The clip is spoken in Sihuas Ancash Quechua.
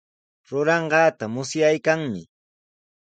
Ruranqaata musyaykanmi.